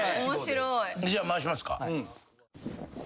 じゃあ回しますか。